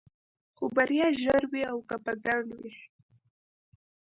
خو بريا ژر وي او که په ځنډ وي.